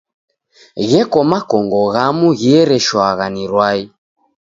Gheko makongo ghamu ghiereshawagha ni rwai.